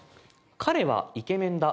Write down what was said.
「彼はイケメンだ。